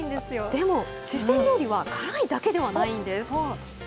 でも四川料理は辛いだけではないんです。